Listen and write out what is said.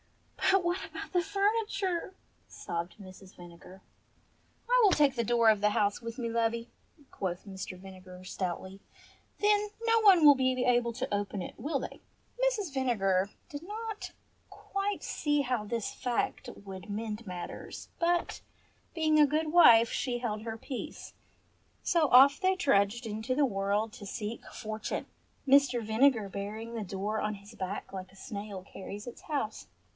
"But what about the furniture," sobbed Mrs. Vinegar. "I will take the door of the house with me, lovey," quoth Mr. Vinegar stoutly. "Then no one will be able to open it, will they?" Mrs. Vinegar did not quite see how this fact would mend matters, but, being a good wife, she held her peace. So off they trudged into the world to seek fortune, Mr. Vinegar bearing the door on his back like a snail carries its house.